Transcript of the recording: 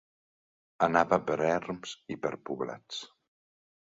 Anava per erms i per poblats.